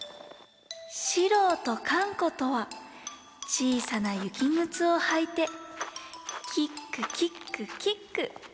四郎とかん子とはちいさな雪ぐつをはいてキックキックキック。